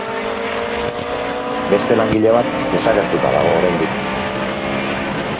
Beste langile bat desagertuta dago oraindik.